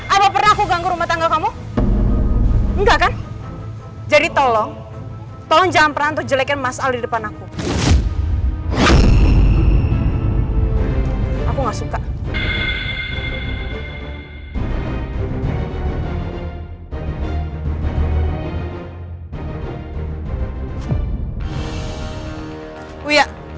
apa pernah aku ganggu rumah tangga kamu